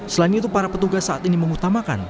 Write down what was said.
selain itu para petugas saat ini mengutamakan